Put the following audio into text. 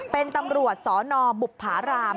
เป็นตำรวจสนบุภาราม